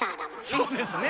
そうですね。